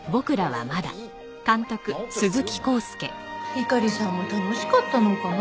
猪狩さんも楽しかったのかな？